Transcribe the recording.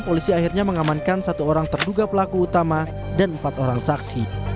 polisi akhirnya mengamankan satu orang terduga pelaku utama dan empat orang saksi